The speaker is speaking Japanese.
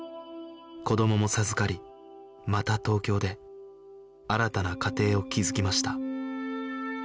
子どもも授かりまた東京で新たな家庭を築きました